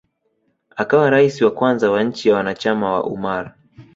akawa rais wa kwanza wa nchi na wanachama wa Ummar